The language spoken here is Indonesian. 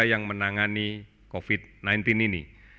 yang menangani covid sembilan belas ini